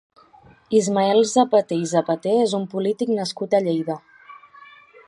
Ismael Zapater i Zapater és un polític nascut a Lleida.